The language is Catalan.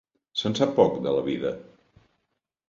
Se'n sap poc de la vida.